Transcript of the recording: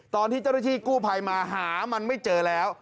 ตอนที่เจ้าหน้าที่กู้ภัยมาหามันไม่เจอแล้ว